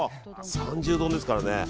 三重丼ですからね。